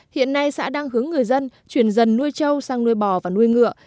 hiện nay xã đang hướng người dân chuyển dân nuôi châu sang nuôi bò và nuôi ngựa